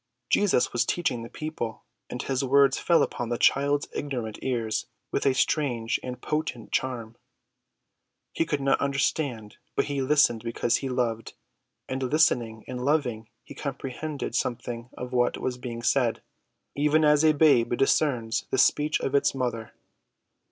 Jesus was teaching the people, and his words fell upon the child's ignorant ears with a strange and potent charm. He could not understand; but he listened because he loved; and, listening and loving, he comprehended something of what was being said, even as a babe discerns the speech of its mother.